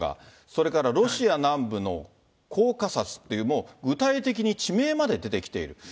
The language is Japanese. それからロシア南部のコーカサスっていう、もう具体的に地名まで出てきている。